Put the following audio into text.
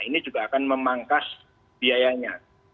ini juga akan memangkas biayanya